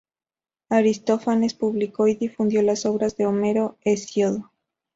Aristófanes publicó y difundió las obras de Homero, Hesíodo.